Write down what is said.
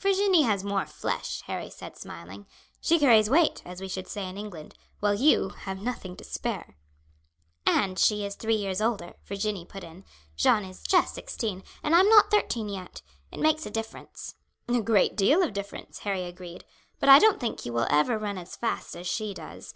"Virginie has more flesh," Harry said smiling. "She carries weight, as we should say in England, while you have nothing to spare. "And she is three years older," Virginie put in. "Jeanne is just sixteen, and I am not thirteen yet; it makes a difference." "A great deal of difference," Harry agreed; "but I don't think you will ever run as fast as she does.